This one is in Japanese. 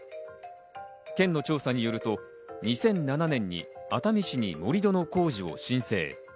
県の調査によると、２００７年に熱海市に盛り土の工事を申請。